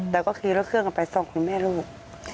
แต่ก็ขีดวนเขื้องกันไปส่องคนแม่ลูก